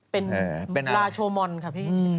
เป็นลาโชมอนค่ะพี่